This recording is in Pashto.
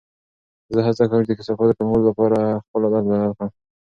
زه هڅه کوم چې د کثافاتو کمولو لپاره خپل عادت بدل کړم.